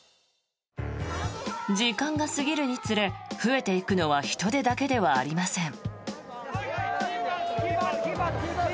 時間が過ぎるにつれ増えていくのは人出だけではありません。